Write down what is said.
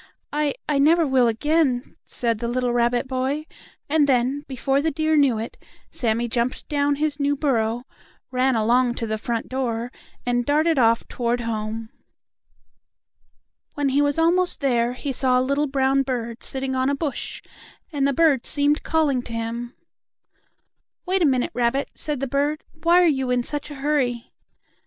"I I never will again," said the little rabbit boy, and then, before the deer knew it, Sammie jumped down his new burrow, ran along to the front door, and darted off toward home. When he was almost there he saw a little brown bird sitting on a bush, and the bird seemed calling to him. "Wait a minute, rabbit," said the bird. "Why are you in such a hurry?"